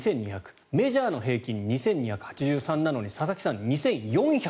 メジャーの平均２２８３なのに佐々木さん、２４５０。